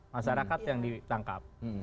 masyarakat yang ditangkap